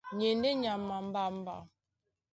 Ni e ndé nyama a mbamba.